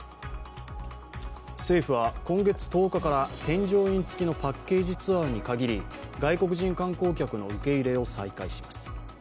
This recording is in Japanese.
政府は今月１０日から添乗員付きのパッケージツアーに限り外国人観光客の受け入れを再開します。